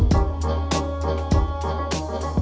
ทุกที่ว่าใช่ไหม